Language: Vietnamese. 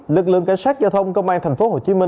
lực lượng cảnh sát giao thông công an tp hcm